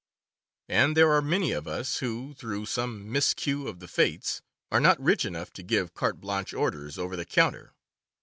And there are many of us who, through some miscue of the Fates, are not rich enough to give carte blanche orders over the counter.